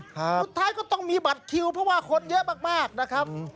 สุดท้ายก็ต้องมีบัตรคิวเพราะว่าคนเยอะมากนะครับ